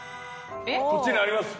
こっちにあります。